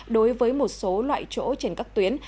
đối với một số loại chỗ trên các tuyến